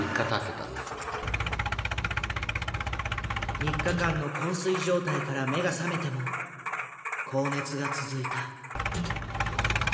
３日間の昏睡状態から目が覚めても高熱が続いた。